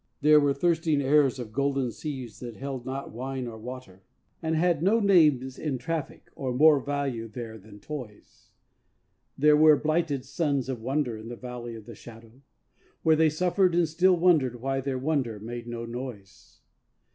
There were thirsting heirs of golden sieves that held not wine or water, And had no names in traffic or more value there than toys: There were blighted sons of wonder in the Valley of the Shadow, Where they suffered and still wondered why their wonder made no noise.